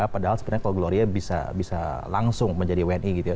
padahal sebenarnya kalau gloria bisa langsung menjadi wni gitu ya